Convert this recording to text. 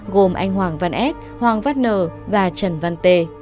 gồm anh hoàng văn s hoàng văn n và trần văn t